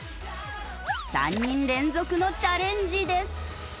３人連続のチャレンジです。